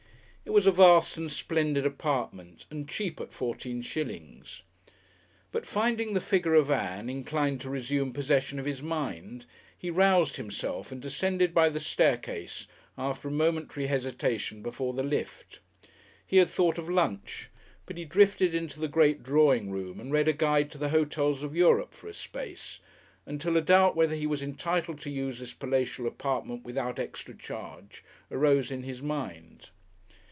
It was a vast and splendid apartment, and cheap at fourteen shillings. But, finding the figure of Ann inclined to resume possession of his mind, he roused himself and descended by the staircase after a momentary hesitation before the lift. He had thought of lunch, but he drifted into the great drawing room and read a guide to the Hotels of Europe for a space, until a doubt whether he was entitled to use this palatial apartment without extra charge arose in his mind.